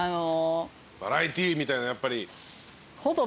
バラエティみたいなやっぱり。